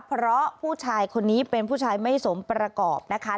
เพราะผู้ชายคนนี้เป็นผู้ชายไม่สมประกอบนะคะ